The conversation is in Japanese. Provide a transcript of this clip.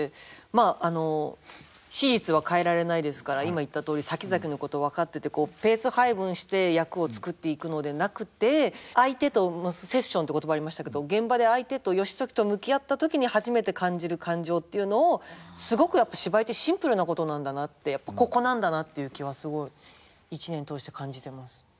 まああの史実は変えられないですから今言ったとおりさきざきのことを分かっててペース配分して役を作っていくのでなくて相手とセッションって言葉ありましたけど現場で相手と義時と向き合った時に初めて感じる感情っていうのをすごくやっぱ芝居ってシンプルなことなんだなってここなんだなっていう気はすごい１年通して感じてます。